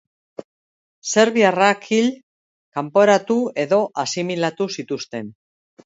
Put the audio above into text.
Serbiarrak hil, kanporatu edo asimilatu zituzten.